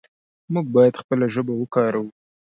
موږ باید خپله ژبه وکاروو.